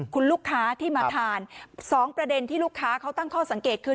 คุณลูกค้าที่มาทานสองประเด็นที่ลูกค้าเขาตั้งข้อสังเกตคือ